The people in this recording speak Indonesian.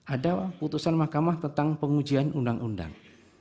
ada putusan mahkamah tentang pengujian undang undang